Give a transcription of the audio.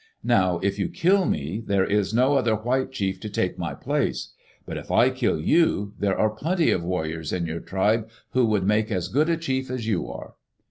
Now if you kill me, there is no other white chief to take hfiy place. But if I kill you, there are plenty of warriors in your tribe who would make as good a chief as you are."